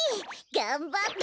がんばって！